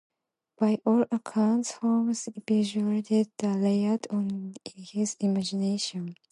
By all accounts, Holmes visualised the layout in his imagination.